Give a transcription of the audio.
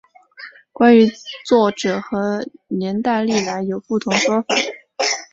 关于作者和年代历来有不同说法。